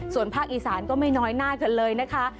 ส่วนภาคอีสานก็ไม่น้อยหน้ากันเลยนะคะ